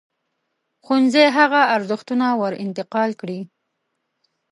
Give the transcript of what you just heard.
ښوونځی هغه ارزښتونه ور انتقال کړي.